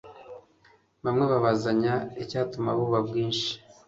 Bamwe babazanya icyatuma buba bwinshi ,